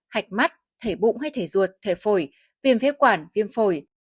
hạch mắt thể bụng hay thể ruột thể phổi viêm phế quản viêm phổi